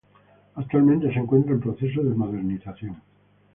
Actualmente se encuentra en proceso de modernización.